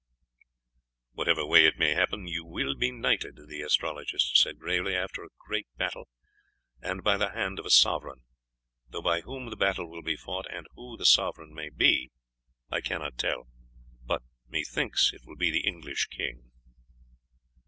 "Whatever way it may happen, you will be knighted," the astrologist said gravely, "after a great battle, and by the hand of a sovereign; though by whom the battle will be fought and who the sovereign may be I cannot say, but methinks that it will be the English king."